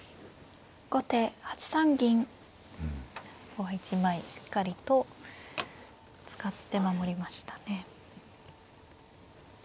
ここは１枚しっかりと使って守りましたね。